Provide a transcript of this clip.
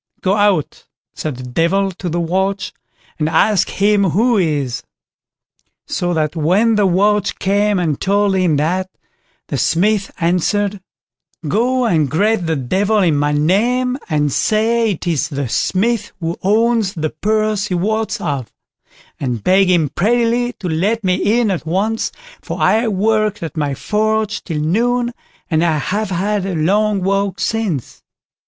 "Go out", said the Devil to the watch, "and ask him who he is?" So that when the watch came and told him that, the Smith answered: "Go and greet the Devil in my name, and say it is the Smith who owns the purse he wots of; and beg him prettily to let me in at once, for I worked at my forge till noon, and I have had a long walk since."